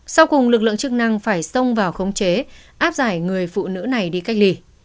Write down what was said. sau cùng lực lượng chức năng phải xông vào khống chế áp giải người phụ nữ này đi cách ly